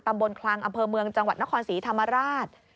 คลังอำเภอเมืองจังหวัดนครศรีธรรมราช